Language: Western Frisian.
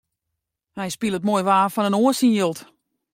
Hy spilet moai waar fan in oar syn jild.